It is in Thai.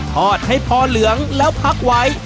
ทอดให้พอเหลืองแล้วพักไว้